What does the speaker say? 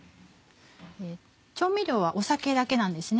調味料は酒だけなんですね。